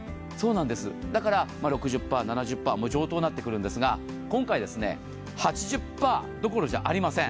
だから６０％、７０％、上等になってくるんですが今回、８０％どころじゃありません